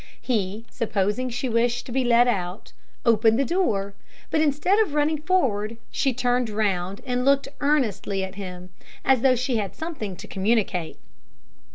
He, supposing that she wished to be let out, opened the door; but instead of running forward, she turned round and looked earnestly at him, as though she had something to communicate.